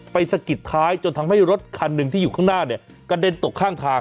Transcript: สะกิดท้ายจนทำให้รถคันหนึ่งที่อยู่ข้างหน้าเนี่ยกระเด็นตกข้างทาง